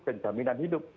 dan jaminan hidup